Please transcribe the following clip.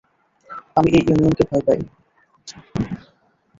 আমি এই ইউনিয়ন কে ভয় পাই।